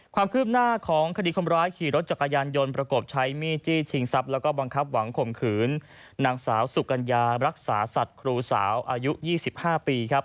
ความคืบหน้าของคดีคนร้ายขี่รถจักรยานยนต์ประกบใช้มีดจี้ชิงทรัพย์แล้วก็บังคับหวังข่มขืนนางสาวสุกัญญารักษาสัตว์ครูสาวอายุ๒๕ปีครับ